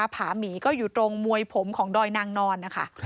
ผาหมี่ก็อยู่ตรงมวยผมจากดอยนางนอน